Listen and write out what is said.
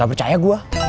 gak percaya gua